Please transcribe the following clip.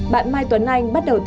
bạn mai tuấn anh bắt đầu thiết kế